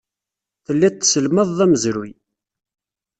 Telliḍ tesselmadeḍ amezruy.